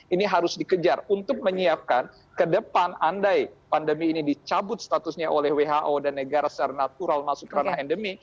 ini harus dikejar untuk menyiapkan ke depan andai pandemi ini dicabut statusnya oleh who dan negara secara natural masuk ke ranah endemi